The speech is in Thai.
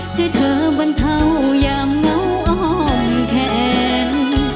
ช่วยเธอบรรเทาอย่างมูออมแขน